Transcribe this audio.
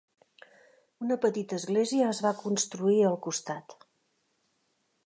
Una petita església es va construir al costat.